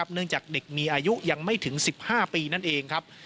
เนื่องจากเด็กมีอายุยังไม่ถึง๑๕ปีนั่นเองครับ